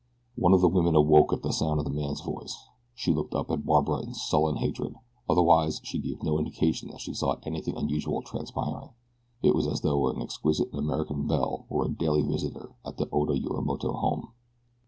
One of the women awoke at the sound of the man's voice. She looked up at Barbara in sullen hatred otherwise she gave no indication that she saw anything unusual transpiring. It was as though an exquisite American belle were a daily visitor at the Oda Yorimoto home.